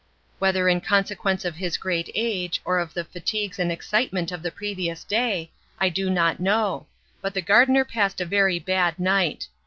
Whether in consequence of his great age, or of the fatigues and excitement of the previous day, I do not know, but the gardener passed a very bad night.